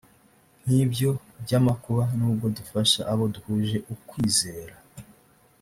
nk ibyo by amakuba nubwo dufasha abo duhuje ukwizera